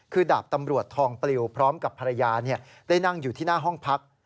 คือดาบตำรวจทองปลิวพร้อมกับภรรยาได้นั่งอยู่ที่หน้าห้องพัก